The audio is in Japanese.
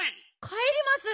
かえります。